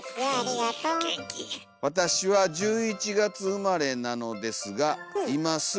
「わたしは１１がつうまれなのですがいます